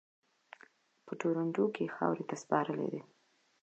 په ټورنټو کې یې خاورو ته سپارلی دی.